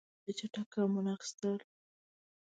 هغې چټک ګامونه اخیستل.